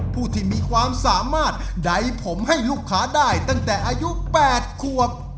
ผู้ที่มีความสามารถใดผมให้ลูกค้าได้ตั้งแต่อายุ๘ขวบ